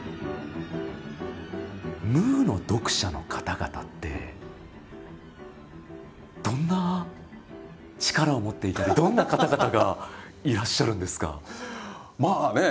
「ムー」の読者の方々ってどんな力を持っていたりどんな方々がいらっしゃるんですか？